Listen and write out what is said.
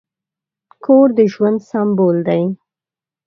کور د ژوند سمبول دی.